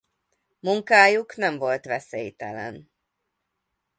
Munkájuk nem volt veszélytelen.